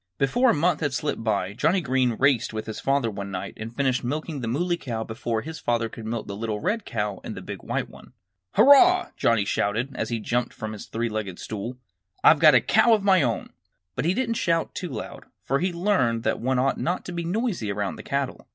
Before a month had slipped by Johnnie Green raced with his father one night and finished milking the Muley Cow before his father could milk the little red cow and the big white one. "Hurrah!" Johnnie shouted, as he jumped up from his three legged stool. "I've got a cow of my own!" But he didn't shout too loud, for he had learned that one ought not to be noisy around the cattle.